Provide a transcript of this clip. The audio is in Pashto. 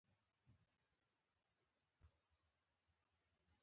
کارګرانو په خوښۍ پیل وکړ او نڅاګانې یې وکړې